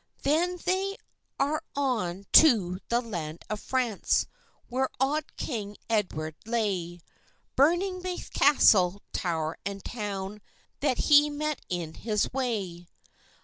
Then they are on to the land of France, Where auld king Edward lay, Burning baith castle, tower, and town, That he met in his way.